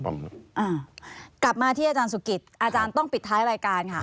กลับมาที่อาจารย์สุกิตอาจารย์ต้องปิดท้ายรายการค่ะ